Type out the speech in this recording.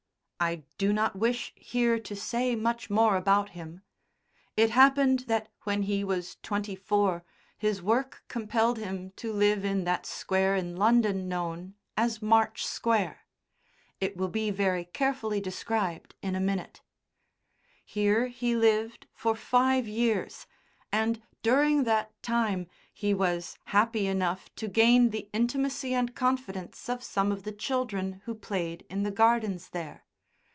I do not wish here to say much more about him. It happened that when he was twenty four his work compelled him to live in that Square in London known as March Square (it will be very carefully described in a minute). Here he lived for five years, and, during that time, he was happy enough to gain the intimacy and confidence of some of the children who played in the Gardens there.